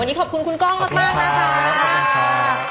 วันนี้ขอบคุณคุณก้องมากนะคะ